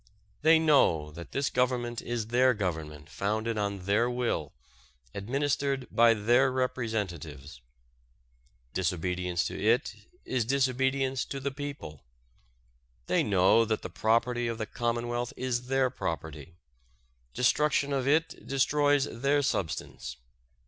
They know that this Government is their Government founded on their will, administered by their representatives. Disobedience to it is disobedience to the people. They know that the property of the Commonwealth is their property. Destruction of it destroys their substance.